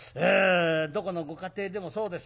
どこのご家庭でもそうです。